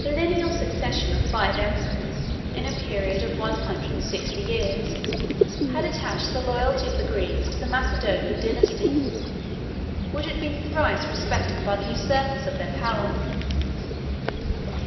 ] A lineal succession of five emperors, in a period of one hundred and sixty years, had attached the loyalty of the Greeks to the Macedonian dynasty, which had been thrice respected by the usurpers of their power.